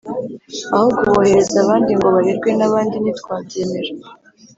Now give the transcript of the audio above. aho kubohereza ahandi ngo barerwe n’ abandi ntitwabyemera